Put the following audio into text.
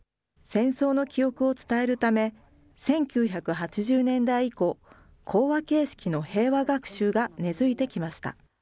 戦争の記憶を伝えるため、１９８０年代以降、講話形式の平和学習が根づいてきました。